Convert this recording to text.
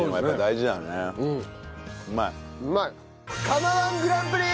釜−１グランプリ！